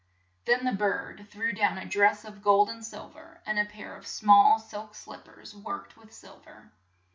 Then the bird threw down a dress of gold and sil ver, and a pair of small silk slip pers worked with sil ver.